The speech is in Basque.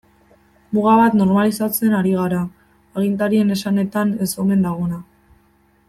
Muga bat normalizatzen ari gara, agintarien esanetan ez omen dagoena.